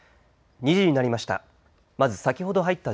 ２時になりました。